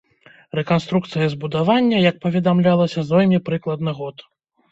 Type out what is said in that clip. Рэканструкцыя збудавання, як паведамлялася, зойме прыкладна год.